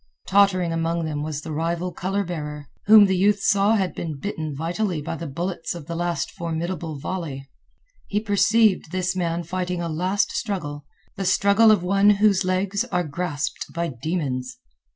Tottering among them was the rival color bearer, whom the youth saw had been bitten vitally by the bullets of the last formidable volley. He perceived this man fighting a last struggle, the struggle of one whose legs are grasped by demons.